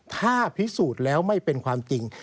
ถ้าพิสูจน์แล้วไม่เป็นความจริง